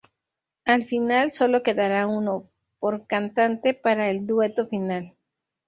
Al final solo quedará uno, por cantante, para el dueto final.